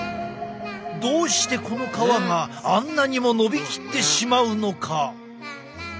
どうしてこの皮があんなにものびきってしまうのか？